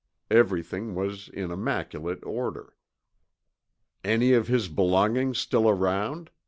Everything was in immaculate order. "Any of his belongings still around?"